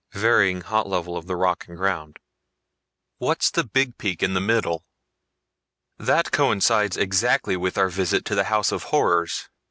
Varying hot level of the rock and ground." "What's the big peak in the middle?" "That coincides exactly with our visit to the house of horrors!